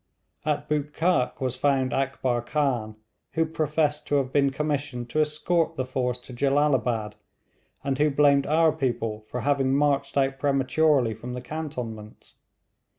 At Bootkhak was found Akbar Khan, who professed to have been commissioned to escort the force to Jellalabad, and who blamed our people for having marched out prematurely from the cantonments.